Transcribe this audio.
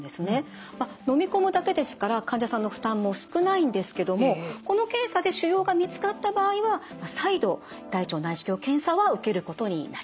のみ込むだけですから患者さんの負担も少ないんですけどもこの検査で腫瘍が見つかった場合は再度大腸内視鏡検査は受けることになります。